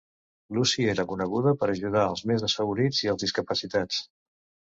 Lucy era coneguda per ajudar els més desfavorits i els discapacitats.